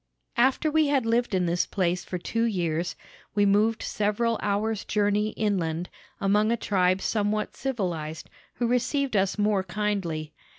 "After we had lived in this place for two years, we moved several hours' journey inland, among a tribe somewhat civilized, who received us more kindly.